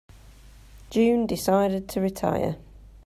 June decided to retire.